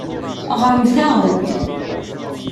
Ɣṛemt-aɣ-d.